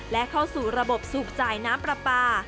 และเข้าสู่ระบบสูบจ่ายน้ำปลาปลา